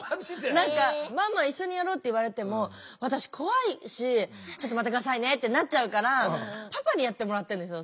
何か「ママ一緒にやろ」って言われても私怖いし「ちょっと待って下さいね」ってなっちゃうからパパにやってもらってるんですよ